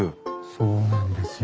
そうなんですよ。